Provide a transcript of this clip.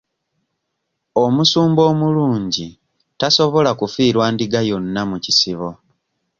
Omusumba omulungi tasobola kufiirwa ndiga yonna mu kisibo.